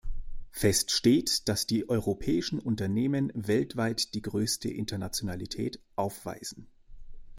Fest steht, dass die europäischen Unternehmen weltweit die größte Internationalität aufweisen.